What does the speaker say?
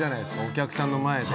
お客さんの前で。